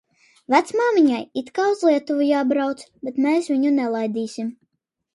Vecmāmiņai it kā uz Lietuvu jābrauc, bet mēs viņu nelaidīsim.